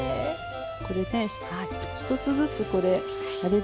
これで１つずつこれあれですよ